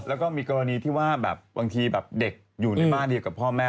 แล้วก็มีกรณีที่ว่าแบบบางทีแบบเด็กอยู่ในบ้านเดียวกับพ่อแม่